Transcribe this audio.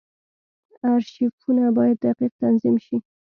ارشیفونه باید دقیق تنظیم شي.